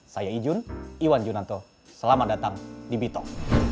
saya ijun iwan junanto selamat datang di bitong